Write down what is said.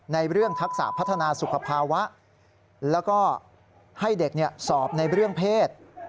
ในเรื่องทักษะพัฒนาสุขภาวะแล้วก็ให้เด็กสอบในเรื่องเพศ